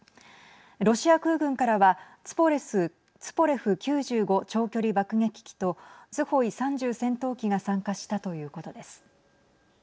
ロシア空軍からはツポレフ９５長距離爆撃機とスホイ３０戦闘機が参加したということです。